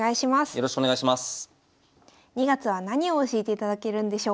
よろしくお願いします。